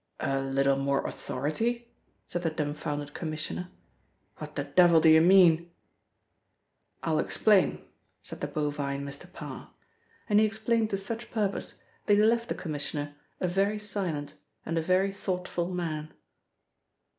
"A little more authority?" said the dumbfounded Commissioner. "What the devil do you mean?" "I'll explain," said the bovine Mr. Parr, and he explained to such purpose that he left the Commissioner a very silent and a very thoughtful man.